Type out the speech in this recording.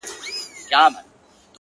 • له هغې ویري مي خوب له سترګو تللی,